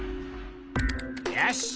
よし。